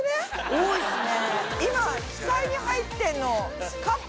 多いですね。